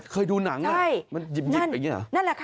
เคยดูหนังนะมันยิบแบบนี้เหรอ